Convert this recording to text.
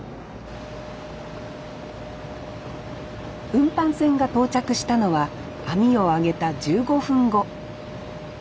運搬船が到着したのは網を揚げた１５分後。